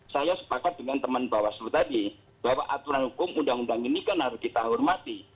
saya sepakat dengan teman bawaslu tadi bahwa aturan hukum undang undang ini kan harus kita hormati